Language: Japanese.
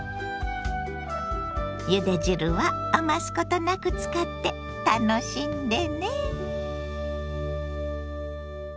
ゆで汁は余すことなく使って楽しんでね！